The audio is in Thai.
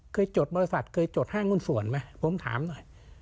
เคยจดบริษัทเคยจด๕งุ่นส่วนไหมผมถามหน่อย